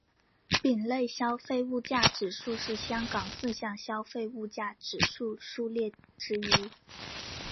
丙类消费物价指数是香港四项消费物价指数数列之一。